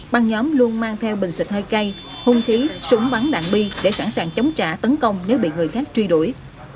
băng nhóm luôn mang theo bình xịt hơi cay hung khí súng bắn đạn bi để sẵn sàng chống trả tấn công nếu bị người khác truy đuổi